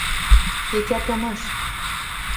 — Тетя томаш...